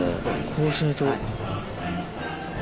こうしないと。